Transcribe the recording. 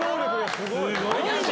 すごいね！